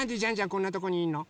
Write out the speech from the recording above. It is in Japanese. こんなとこにいんの？